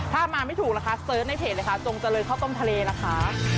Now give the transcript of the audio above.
ถ้ามาไม่ถูกนะคะเซิร์ชในเพจเลยค่ะจงจะเลยเข้าต้มทะเลนะคะ